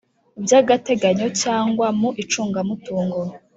By agateganyo cyangwa mu icungamutungo